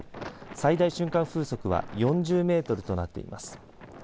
最大瞬間風速は４０メートルとなっています。